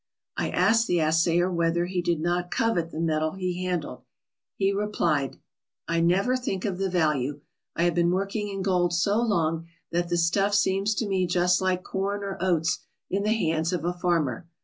I asked the assayer whether he did not covet the metal he handled. He replied : "I never think of the value. I have been working in gold so long that the stuff seems to me just like corn or oats in the hands of a farmer.